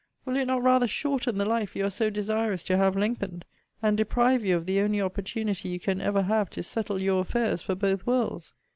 Will it not rather shorten the life you are so desirous to have lengthened, and deprive you of the only opportunity you can ever have to settle your affairs for both worlds?